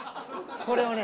これはね